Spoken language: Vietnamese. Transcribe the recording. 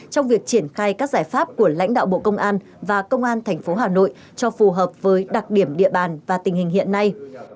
trong việc triển khai các giải pháp của lãnh đạo bộ công an và công an tp hà nội cho phù hợp với đặc điểm địa bàn và tình hình hiện nay